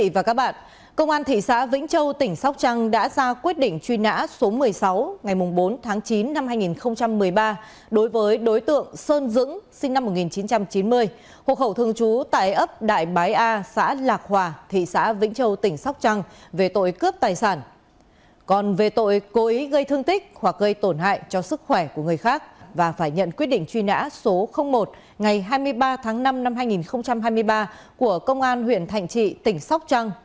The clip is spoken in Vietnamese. và phải nhận quyết định truy nã số một ngày hai mươi ba tháng năm năm hai nghìn hai mươi ba của công an huyện thạnh trị tỉnh sóc trăng